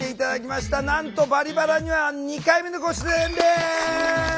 なんと「バリバラ」には２回目のご出演です！